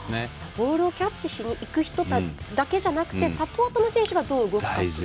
ボールをキャッチしにいく人だけじゃなくてサポートの選手がどう動くかと。